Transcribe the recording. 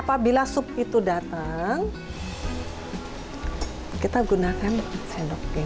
apabila sup itu datang kita gunakan sendok g